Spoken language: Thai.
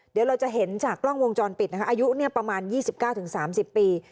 เดี๋ยวเราจะเห็นจากกล้องวงจรปิดนะคะอายุเนี่ยประมาณยี่สิบเก้าถึงสามสิบปี